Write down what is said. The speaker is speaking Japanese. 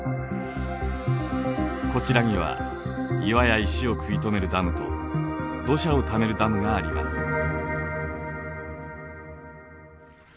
こちらには岩や石を食い止めるダムと土砂をためるダムがあります。